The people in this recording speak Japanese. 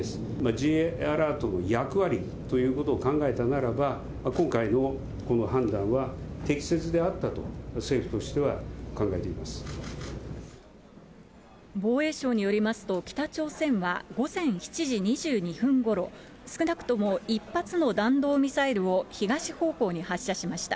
Ｊアラートの役割ということを考えたならば、今回のこの判断は適切であったと、防衛省によりますと、北朝鮮は午前７時２２分ごろ、少なくとも１発の弾道ミサイルを東方向に発射しました。